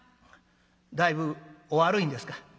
「だいぶお悪いんですか？」。